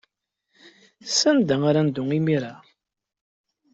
Sanda ara neddu imir-a?